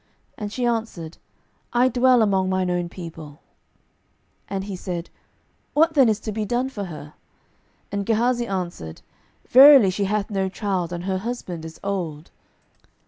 And she answered, I dwell among mine own people. 12:004:014 And he said, What then is to be done for her? And Gehazi answered, Verily she hath no child, and her husband is old.